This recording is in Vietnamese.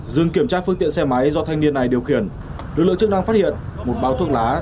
dừng kiểm tra phương tiện xe máy do thanh niên này điều khiển lực lượng chức năng phát hiện một bao thuốc lá